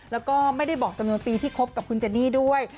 แล้วก็ไม่ได้บอกจำนวนปีที่คบกับคุณเจนี่ด้วย